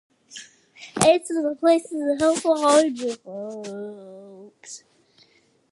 The corolla throat is covered in short trichomes.